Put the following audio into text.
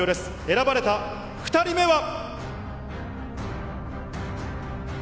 選ばれた２人目は。